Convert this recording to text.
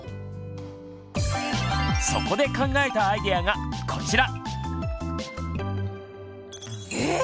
そこで考えたアイデアがこちら！